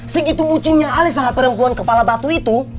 segitu bucinnya ale sama perempuan kepala batu itu